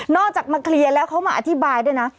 จากมาเคลียร์แล้วเขามาอธิบายด้วยนะ